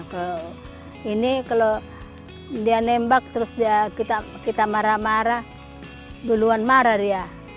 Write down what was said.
kalau ini kalau dia nembak terus kita marah marah duluan marah dia